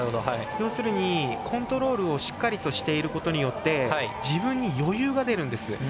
要するに、コントロールをしっかりとしていることによって自分に余裕が出るんです。